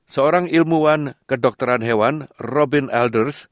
seorang ilmuwan kedokteran hewan robin elders